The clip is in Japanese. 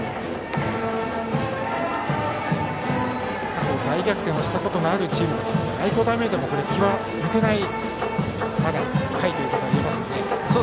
過去、大逆転をしたことのあるチームですので愛工大名電もまだ気は抜けない回といえますね。